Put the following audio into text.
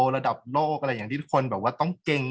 กากตัวทำอะไรบ้างอยู่ตรงนี้คนเดียว